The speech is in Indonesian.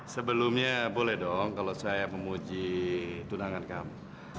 sebelumnya boleh dong kalau saya memuji tunangan kamu